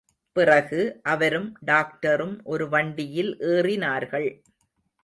பிறகு, அவரும் டாக்டரும் ஒரு வண்டியில் ஏறினார்கள்.